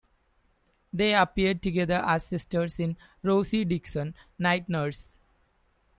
They appeared together as sisters in "Rosie Dixon - Night Nurse".